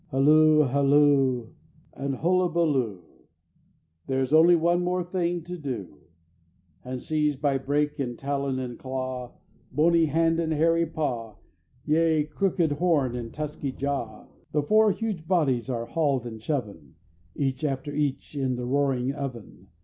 Halloo! Halloo! And Hullabaloo! There is only one more thing to do And seized by beak, and talon, and claw, Bony hand, and hairy paw, Yea, crooked horn, and tusky jaw, The four huge Bodies are haul'd and shoven Each after each in the roaring oven!